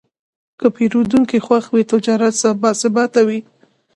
که پیرودونکی خوښ وي، تجارت باثباته وي.